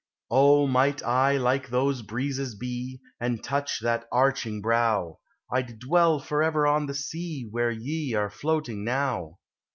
O, might I like those breezes be, And touch that arching brow, I 'd dwell forever on the sea Where ye are floating now.